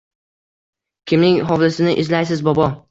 Kimning hovlisini izlaysiz, bobo?